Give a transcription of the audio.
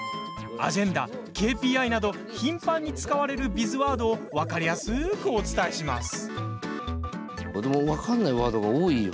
アジェンダ、ＫＰＩなど頻繁に使われるビズワードを分かりやすくお伝えします。